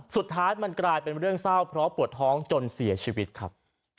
สุดท้ายมันกลายเป็นเรื่องเศร้าเพราะปวดท้องจนเสียชีวิตครับ